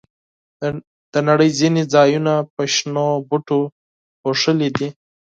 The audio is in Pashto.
د نړۍ ځینې ځایونه په شنو بوټو پوښلي دي.